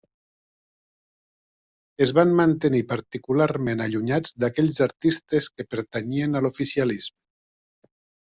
Es van mantenir particularment allunyats d'aquells artistes que pertanyien a l'oficialisme.